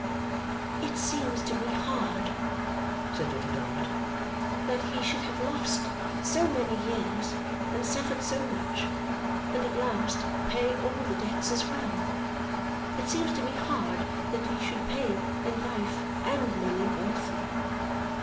'It seems to me hard,' said Little Dorrit, 'that he should have lost so many years and suffered so much, and at last pay all the debts as well. It seems to me hard that he should pay in life and money both.